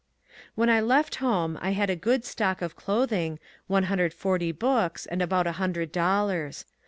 When I left home I had a good stock of clothing, 140 books, and about a hundred dollars.